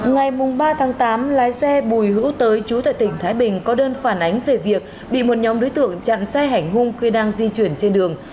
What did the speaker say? ngày ba tháng tám lái xe bùi hữu tới chú tại tỉnh thái bình có đơn phản ánh về việc bị một nhóm đối tượng chặn xe hành hung khi đang di chuyển trên đường